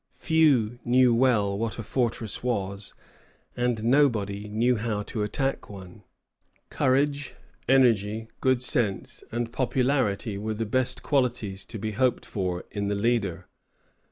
Few knew well what a fortress was, and nobody knew how to attack one. Courage, energy, good sense, and popularity were the best qualities to be hoped for in the leader.